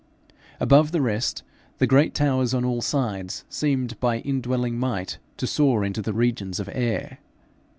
Above the rest, the great towers on all sides seemed by indwelling might to soar into the regions of air.